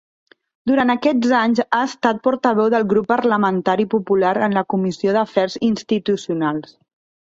Durant aquests anys ha estat portaveu del Grup Parlamentari Popular en la Comissió d'Afers Institucionals.